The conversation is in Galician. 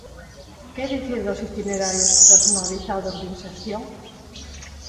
¡Que dicir dos itinerarios personalizados de inserción!